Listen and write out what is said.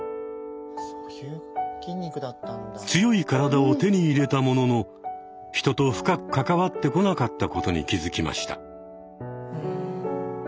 強い体を手に入れたものの人と深く関わってこなかったことに気付きました。